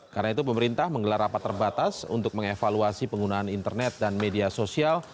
karena itu pemerintah menggelar rapat terbatas untuk mengevaluasi penggunaan internet dan media sosial